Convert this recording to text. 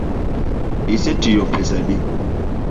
Isetiyo pesa adi?